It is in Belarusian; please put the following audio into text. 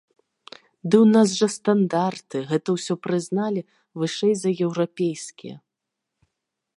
Ды ў нас жа стандарты, гэта ўсё прызналі, вышэй за еўрапейскія!